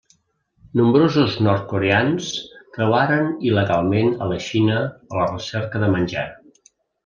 Nombrosos nord-coreans creuaren il·legalment a la Xina a la recerca de menjar.